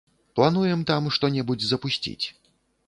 Плануем там што-небудзь запусціць.